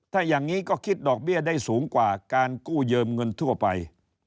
ถ้าอย่างนี้ก็คิดดอกเบี้ยได้สูงกว่าการกู้ยืมเงินทั่วไป